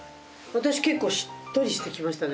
私結構しっとりしてきましたね。